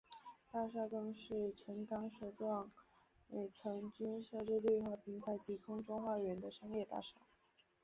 大厦更是全港首幢每层均设置绿化平台及空中花园的商业大厦。